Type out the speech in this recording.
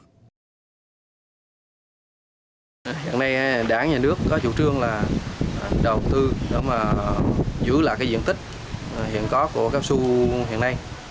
hiện nay đảng nhà nước có chủ trương là đầu tư giữ lại diện tích hiện có của cao su hiện nay